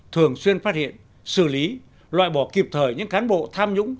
thường xuyên phát hiện xử lý loại bỏ kịp thời những cán bộ tham nhũng